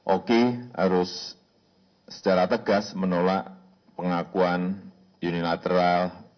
oki harus secara tegas menolak pengakuan unilateral